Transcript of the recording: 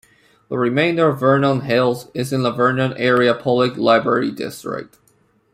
The remainder of Vernon Hills is in the Vernon Area Public Library District.